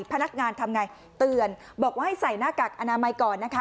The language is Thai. พนักงานทำไงเตือนบอกว่าให้ใส่หน้ากากอนามัยก่อนนะคะ